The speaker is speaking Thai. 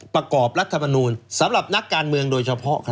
ประกอบรัฐมนูลสำหรับนักการเมืองโดยเฉพาะ